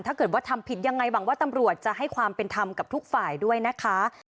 ถ้าเกิดว่าทำผิดยังไงหวังว่าตำรวจจะให้ความเป็นธรรมกับทุกฝ่ายด้วยนะคะ